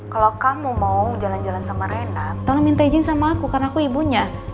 kalau kamu mau jalan jalan sama renat tolong minta izin sama aku karena aku ibunya